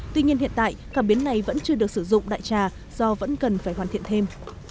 tuy nhiên hiện tại cảm biến này vẫn chưa được sử dụng đại trà do vẫn cần phải hoàn thiện thêm